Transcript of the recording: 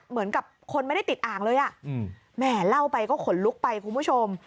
เหมือนกับคนไม่ได้ติดอ่างเลยอ่ะแหมเล่าไปก็ขนลุกไปคุณผู้ชม